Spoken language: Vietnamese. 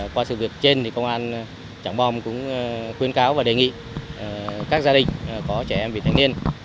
qua sự việc trên thì công an trảng bom cũng khuyên cáo và đề nghị các gia đình có trẻ em vị thanh niên